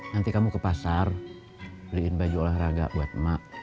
nanti kamu ke pasar beliin baju olahraga buat emak